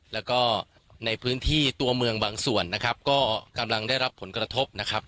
แล้วก็ในพื้นที่ตัวเมืองบางส่วนนะครับก็กำลังได้รับผลกระทบนะครับ